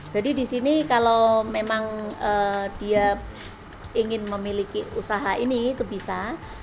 jadi di sini kalau memang dia ingin memiliki usaha ini itu bisa